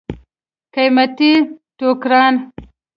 قیمتي ټوکران.